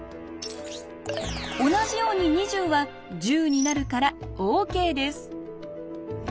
同じように２０は１０になるからＯＫです。